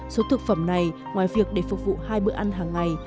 số thực phẩm này ngoài việc để phục vụ hai bữa ăn hàng ngày